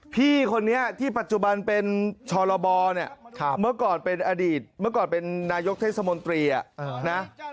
พี่คนนี้ที่ปัจจุบันเป็นชรบเนี่ยเมื่อก่อนเป็นอดีตเมื่อก่อนเป็นนายกเทศมนตรีนะ